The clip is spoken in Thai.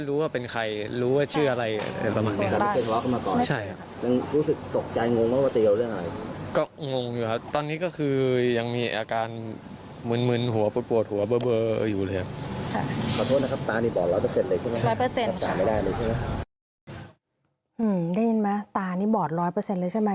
ได้ยินมั้ยตานี่บอร์ดร้อยเปอร์เซ็นต์เลยใช่มั้ย